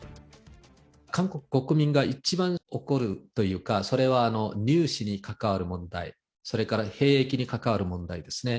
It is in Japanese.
韓国国民が一番怒るというか、それは、入試に関わる問題、それから兵役に関わる問題ですね。